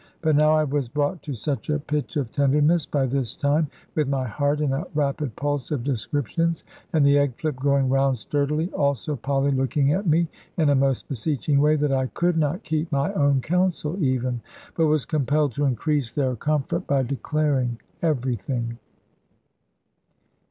But now I was brought to such a pitch of tenderness by this time, with my heart in a rapid pulse of descriptions, and the egg flip going round sturdily, also Polly looking at me in a most beseeching way, that I could not keep my own counsel even, but was compelled to increase their comfort by declaring every thing.